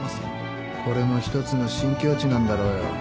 これも一つの新境地なんだろうよ。